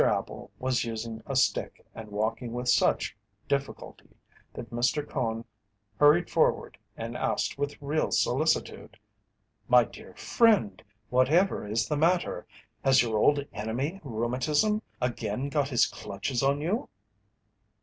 Appel was using a stick and walking with such difficulty that Mr. Cone hurried forward and asked with real solicitude: "My dear friend, whatever is the matter? Has your old enemy Rheumatism again got his clutches on you?"